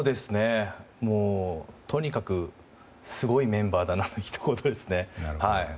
とにかくすごいメンバーだなのひと言ですね。